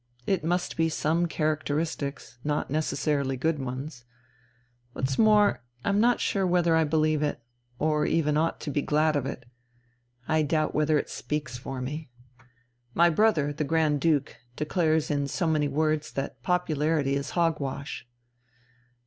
It must be some characteristics, not necessarily good ones. What's more, I'm not sure whether I believe it, or even ought to be glad of it. I doubt whether it speaks for me. My brother, the Grand Duke, declares in so many words that popularity is hog wash."